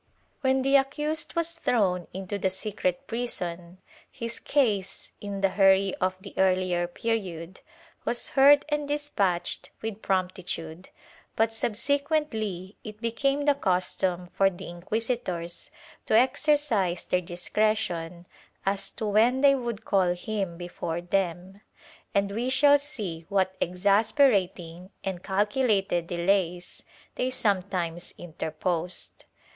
When the accused was thrown into the secret prison his case, in the hurry of the earlier period, was heard and despatched with promptitude, but subsequently it became the custom for the inquisitors to exercise their discretion as to when they would call him before them, and we shall see what exasperating and calculated delays they sometimes interposed.